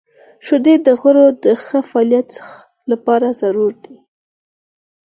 • شیدې د غړو د ښه فعالیت لپاره ضروري دي.